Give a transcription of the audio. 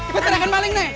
kita jangan maling nih